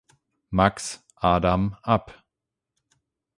Max Adam ab.